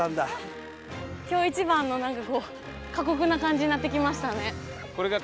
今日一番のなんかこう過酷な感じになってきましたね。